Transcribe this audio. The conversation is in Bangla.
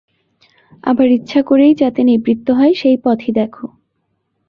আবার ইচ্ছা করেই যাতে নিবৃত্ত হয় সেই পথই দেখো।